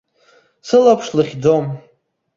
Сылаԥш лыхьӡом.